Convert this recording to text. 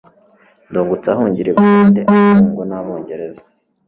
Ndungutse ahungira I Bugande, afungwa n'Abongereza.